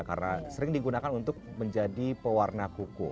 karena sering digunakan untuk menjadi pewarna kuku